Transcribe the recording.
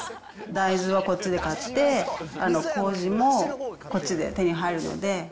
大豆をこっちで買って、こうじもこっちで手に入るので。